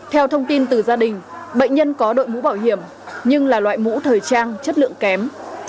theo thông tin từ gia đình bệnh nhân có đội mũ bảo hiểm nhưng là loại mũ thời trang chất lượng kém